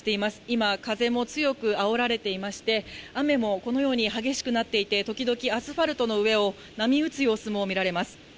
今、風も強くあおられていまして、雨もこのように激しくなっていて、時々アスファルトの上を波打つ様子も見られます。